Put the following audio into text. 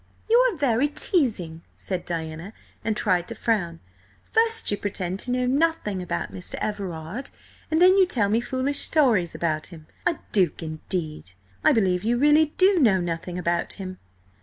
"You are very teasing," said Diana, and tried to frown. "First you pretend to know nothing about Mr. Everard, and then you tell me foolish stories about him. A Duke, indeed! I believe you really do know nothing about him!"